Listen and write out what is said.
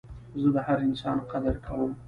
زه د هر انسان قدر کوم.